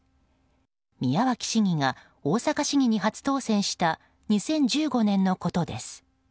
宮脇市議が大阪市議に初当選した２０１５年のことです。